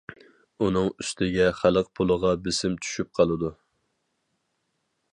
ئۇنىڭ ئۈستىگە خەلق پۇلىغا بىسىم چۈشۈپ قالىدۇ .